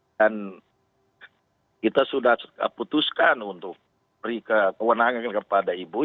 dan kita sudah putuskan untuk beri kewenangan kepada ibu